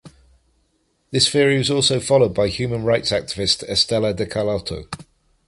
This theory was also followed by human rights activist Estela de Carlotto.